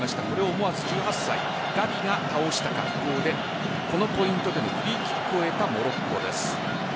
思わず１８歳ガヴィが倒した格好でこのポイントでのフリーキックを得たモロッコです。